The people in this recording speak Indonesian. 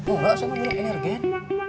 enggak saya mau minum energen